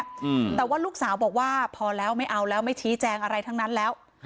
อืมแต่ว่าลูกสาวบอกว่าพอแล้วไม่เอาแล้วไม่ชี้แจงอะไรทั้งนั้นแล้วฮ